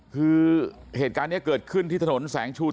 คือเหตุการณ์นี้เกิดขึ้นที่ถนนแสงชู